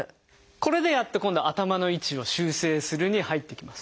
これでやっと今度「頭の位置を修正する」に入っていきます。